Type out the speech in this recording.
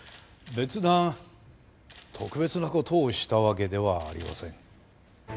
別段特別な事をしたわけではありません。